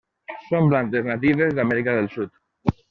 Són plantes natives d'Amèrica del Sud.